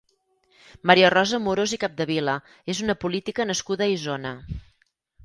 Maria Rosa Amorós i Capdevila és una política nascuda a Isona.